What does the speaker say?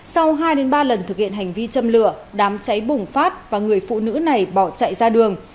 sau hai ba lần thực hiện hành vi châm lửa đám cháy bùng phát và người phụ nữ này bỏ chạy ra đường